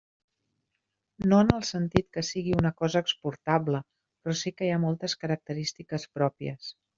No en el sentit que sigui una cosa exportable, però sí que hi ha moltes característiques pròpies.